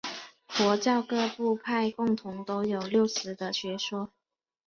佛教各部派共同都有六识的学说。